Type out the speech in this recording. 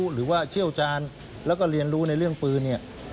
หรือว่าเชี่ยวชาญแล้วก็เรียนรู้ในเรื่องปืนเนี่ย